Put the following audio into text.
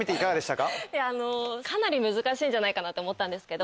かなり難しいんじゃないかなって思ったんですけど。